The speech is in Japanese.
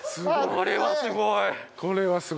これはすごい！